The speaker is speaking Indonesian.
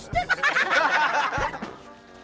gak ada isnet